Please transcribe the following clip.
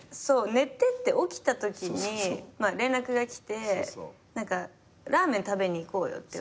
寝てて起きたときに連絡が来てラーメン食べに行こうよって言われて。